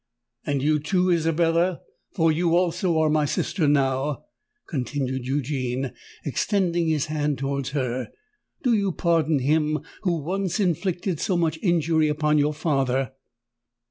"And you, too, Isabella—for you also are my sister now," continued Eugene, extending his hand towards her: "do you pardon him who once inflicted so much injury upon your father?"